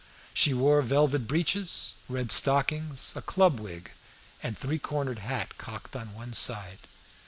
She wore velvet breeches, red stockings, a club wig, and three cornered hat cocked on one side.